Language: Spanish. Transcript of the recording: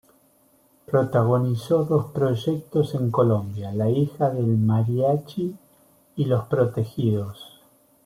Protagonizó dos proyectos en Colombia, "La hija del mariachi" y "Los protegidos".